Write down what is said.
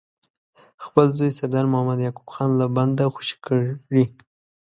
خپل زوی سردار محمد یعقوب خان له بنده خوشي کړي.